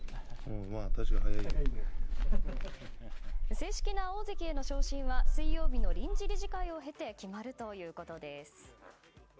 正式な大関への昇進は水曜日の臨時理事会を経て決まるということです。